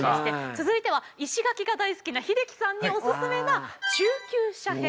続いては石垣が大好きな英樹さんにおススメな中級者編のお城。